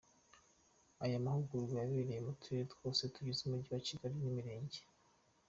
Aya mahugurwa yabereye muturere twose tugize Umujyi wa Kigali n'Imirenge.